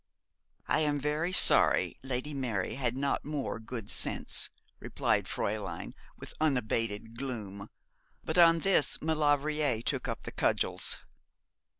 'I am very sorry Lady Mary had not more good sense,' replied Fräulein with unabated gloom; but on this Maulevrier took up the cudgels.